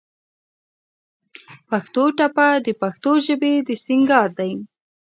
پښتو ټپه د پښتو ژبې د سينګار دى.